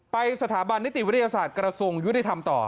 สถาบันนิติวิทยาศาสตร์กระทรวงยุติธรรมต่อ